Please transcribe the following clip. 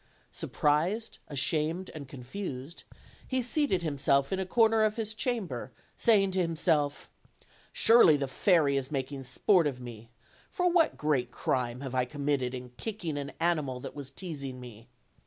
Surprised, ashamed and confused, he seated himself in a corner of his chamber, saying to himself, "Surely the fairy is making sport of me, for what great crime have I committed in kicking an animal that was teasing me?